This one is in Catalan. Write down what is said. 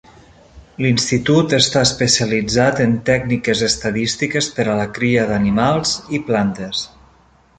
L'institut està especialitzat en tècniques estadístiques per a la cria d'animals i plantes.